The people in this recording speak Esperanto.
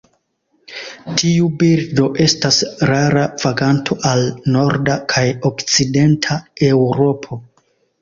Tiu birdo estas rara vaganto al norda kaj okcidenta Eŭropo.